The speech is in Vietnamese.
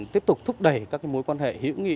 tiếp tục thúc đẩy các mối quan hệ hữu nghị